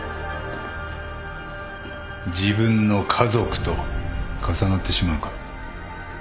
自分の家族と重なってしまうか？